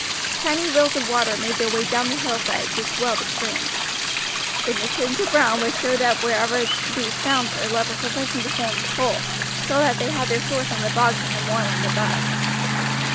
Tiny rills of water made their way down the hillside to swell the stream, and the tinge of brown which showed up wherever these found a level sufficient to form a pool told that they had their source in the bogs on the moorland above.